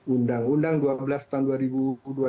undang undang dua belas tahun dua ribu dua puluh